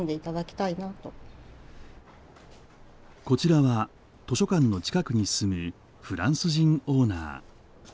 こちらは図書館の近くに住むフランス人オーナー。